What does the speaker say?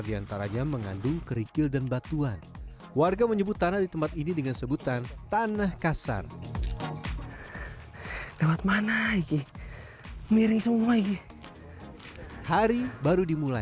kata masnya nanti si cobeknya gampang pecah ya